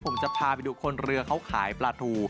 ผมจะพาไปดูคนเรือเขาขายปลาทู